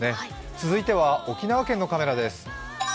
続いては沖縄県のカメラです。